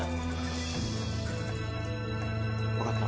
分かった